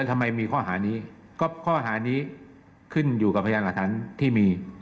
ทำไมมีข้อหานี้ก็ข้อหานี้ขึ้นอยู่กับพยานหลักฐานที่มี